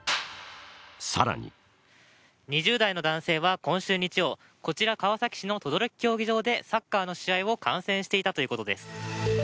更に２０代の男性は今週日曜、こちら、川崎市の競技場でサッカーの試合を観戦していたということです。